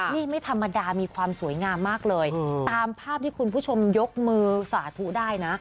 นี่ไม่ธรรมดามีความสวยงามมากเลยตามภาพที่คุณผู้ชมยกมือสาธุได้นะ